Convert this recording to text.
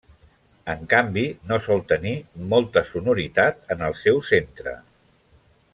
En canvi, no sol tenir molta sonoritat en el seu centre.